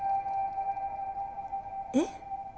えっ？